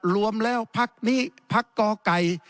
รวมแล้วพักนี้พักก่อไก่